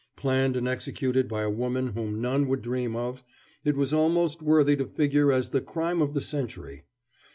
Planned and executed by a woman whom none would dream of, it was almost worthy to figure as the crime of the century.